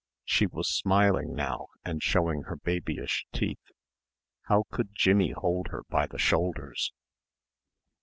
She was smiling now and showing her babyish teeth. How could Jimmie hold her by the shoulders?